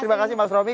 terima kasih mas romy